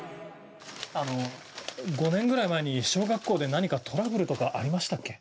あの、５年ぐらい前に小学校で何かトラブルとかありましたっけ？